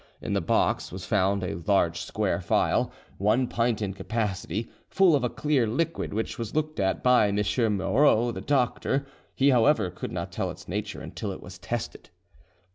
In the box was found a large square phial, one pint in capacity, full of a clear liquid, which was looked at by M. Moreau, the doctor; he, however, could not tell its nature until it was tested.